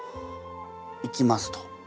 行きますと。